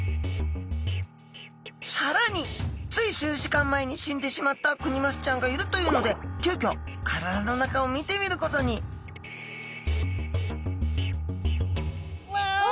さらについ数時間前に死んでしまったクニマスちゃんがいるというので急きょ体の中を見てみることにうわ！